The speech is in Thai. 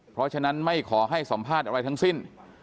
เพราะฉะนั้นไม่ขอให้สัมภาษณ์อะไรทั้งสิ้น